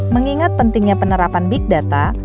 mengingat pentingnya penerapan big data